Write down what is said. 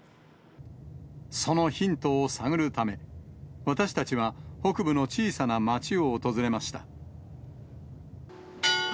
そのヒントを探るため、私たちは北部の小さな街を訪れました。